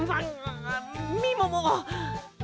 みもも